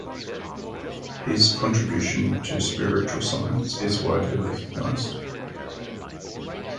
His contribution to spiritual science is widely recognised.